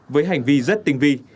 với hành vi rất tinh vi